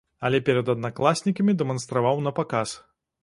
Але перад аднакласнікамі дэманстраваў напаказ.